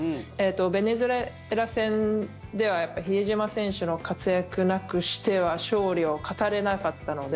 ベネズエラ戦では比江島選手の活躍なくしては勝利を語れなかったので。